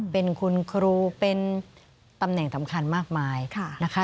เป็นคุณครูเป็นตำแหน่งสำคัญมากมายนะคะ